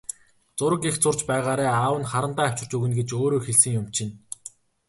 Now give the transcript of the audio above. Зураг их зурж байгаарай, аав нь харандаа авчирч өгнө гэж өөрөө хэлсэн юм чинь.